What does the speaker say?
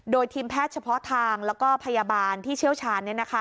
โดยทีมแพทย์เฉพาะทางแล้วก็พยาบาลที่เชี่ยวชาญ